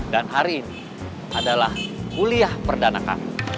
dan hari ini adalah kuliah perdana kamu